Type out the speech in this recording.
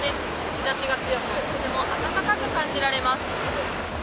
日ざしが強く、とても暖かく感じられます。